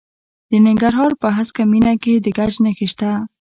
د ننګرهار په هسکه مینه کې د ګچ نښې شته.